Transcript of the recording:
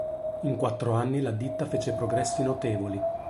In quattro anni la ditta fece progressi notevoli.